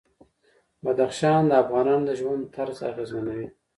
بدخشان د افغانانو د ژوند طرز اغېزمنوي.